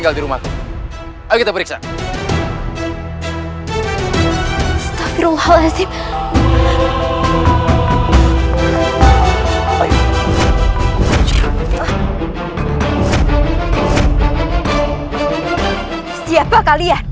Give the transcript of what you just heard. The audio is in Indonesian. rai rara santan